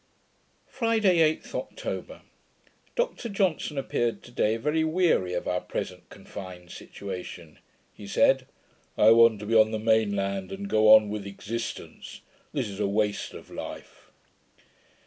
Friday, 8th October Dr Johnson appeared to day very weary of our present confined situation. He said, 'I want to be on the main land, and go on with existence. This is a waste of life.'